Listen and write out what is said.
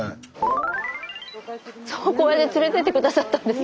そうこうやって連れてって下さったんです。